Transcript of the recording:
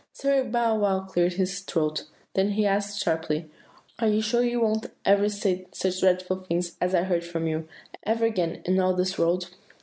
"Sir Bow wow cleared his throat; then he asked sharply, 'Are you sure you won't ever say such dreadful things as I heard from you, ever again, in all this world?